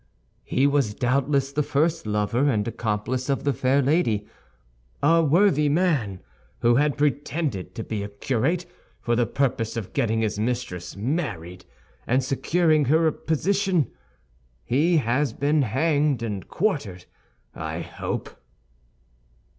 "He was doubtless the first lover and accomplice of the fair lady. A worthy man, who had pretended to be a curate for the purpose of getting his mistress married, and securing her a position. He has been hanged and quartered, I hope."